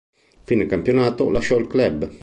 A fine campionato lasciò il club.